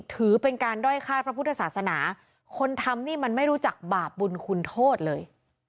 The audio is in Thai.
ถือเป็นการด้อยค่ายพระพุทธศาสนาคนทำนี่มันไม่รู้จักบาปบุญคุณโทษเลย